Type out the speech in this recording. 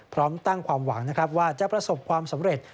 พร้อมตั้งความหวังนะครับว่าจะประสบความสำเร็จ